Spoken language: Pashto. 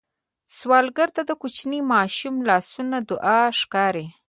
سوالګر ته د کوچني ماشوم لاسونه دعا ښکاري